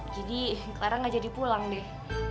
jadi clara gak jadi pulang deh